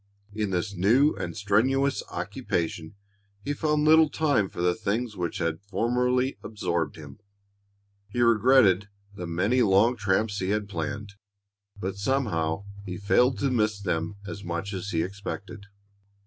In this new and strenuous occupation he found little time for the things which had formally absorbed him. He regretted the many long tramps he had planned, but somehow he failed to miss them as much as he expected.